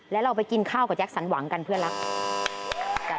แล้วเราไปกินข้าวกับแก๊สันหวังกันเพื่อรัก